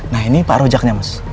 nah ini pak rujaknya mas